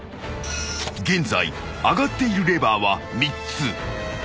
［現在上がっているレバーは３つ］